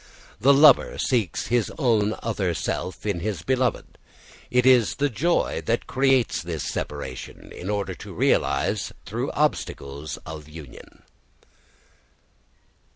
The lover seeks his own other self in his beloved. It is the joy that creates this separation, in order to realise through obstacles of union.